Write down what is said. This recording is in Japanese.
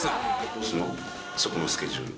そのそこのスケジュール。